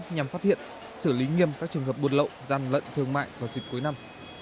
nhằm phát hiện xử lý nghiêm các trường hợp buôn lộn gian lận thương mại vào dịch cuối năm